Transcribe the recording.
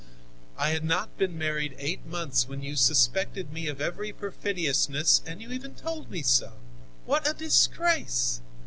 I had not been married eight months when you suspected me of every perfidiousness, and you even told me so. What a disgrace!